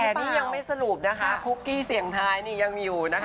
แต่นี่ยังไม่สรุปนะคะคุกกี้เสียงท้ายนี่ยังอยู่นะคะ